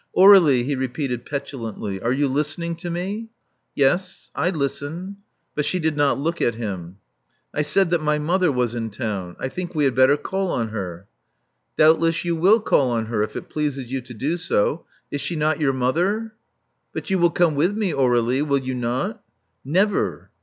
Aur61ie," he repeated petulantly. "Are you listening to me?" Yes. I listen." But she did not look at him. *'I said that my mother was in town. I think we had better call on her." ''Doubtless you will call on her, if it pleases you to do so. Is she not your mother?'* "But you will come with me, Aur^lie, will you not?" "Never.